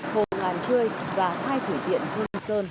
hồ ngàn chơi và hai thủy điện hương sơn